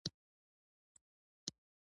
اوس سودا اخلو